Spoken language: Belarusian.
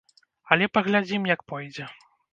Але паглядзім, як пойдзе.